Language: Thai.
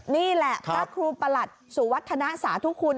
นี่แหละพระครูประหลัดสุวัฒนาสาธุคุณ